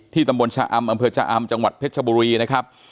ตำบลชะอำอำเภอชะอำจังหวัดเพชรชบุรีนะครับ